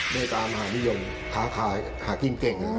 ไม่ตามหานิยมค้าหากินเก่ง